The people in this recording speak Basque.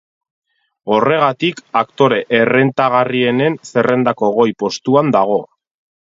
Horregatik, aktore errentagarrienen zerrendako goi postuan dago.